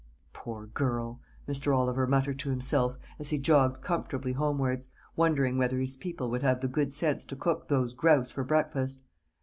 "Poor girl," Mr. Oliver muttered to himself, as he jogged comfortably homewards, wondering whether his people would have the good sense to cook 'those grouse' for breakfast.